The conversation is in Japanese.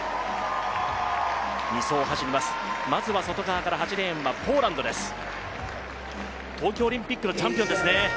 ２走を走ります、まずは外側から８レーンはポーランドです、東京オリンピックのチャンピオンですね。